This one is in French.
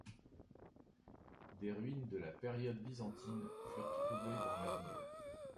Des ruines de la période byzantine furent trouvées dans la ville.